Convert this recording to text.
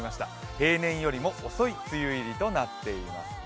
平年よりも遅い梅雨入りとなっています。